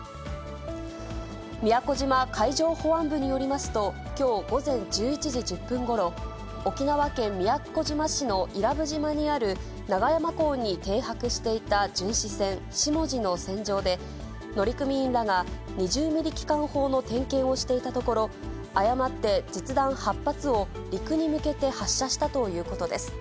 宮古島海上保安部によりますと、きょう午前１１時１０分ごろ、沖縄県宮古島市の伊良部島にある長山港に停泊していた巡視船しもじの船上で、乗組員らが２０ミリ機関砲の点検をしていたところ、誤って実弾８発を陸に向けて発射したということです。